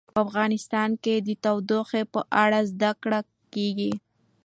په افغانستان کې د تودوخه په اړه زده کړه کېږي.